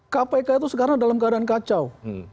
kpk itu sekarang dalam keadaan kacau